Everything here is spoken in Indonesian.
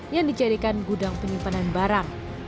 yang dijadikan gudang penyimpanan barang